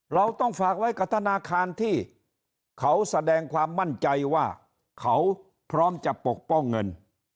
เราต้องฝากไว้กับธนาคารที่เขาแสดงความมั่นใจว่าเขาพร้อมจะปกป้องเงิน